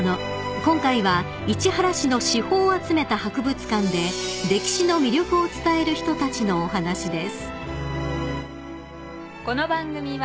［今回は市原市の至宝を集めた博物館で歴史の魅力を伝える人たちのお話です］